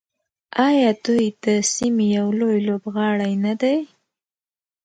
آیا دوی د سیمې یو لوی لوبغاړی نه دی؟